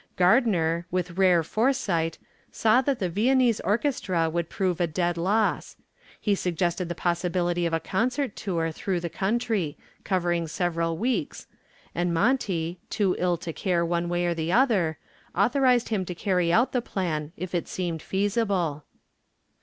Gardner, with rare foresight, saw that the Viennese orchestra would prove a dead loss. He suggested the possibility of a concert tour through the country, covering several weeks, and Monty, too ill to care one way or the other, authorized him to carry out the plan if it seemed feasible.